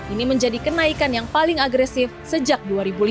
ini menjadi kenaikan yang paling agresif sejak dua ribu lima belas